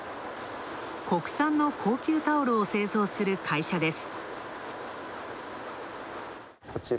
国産の高級タオルを製造する会社です。